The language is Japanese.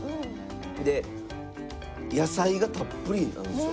で野菜がたっぷりなんですよ。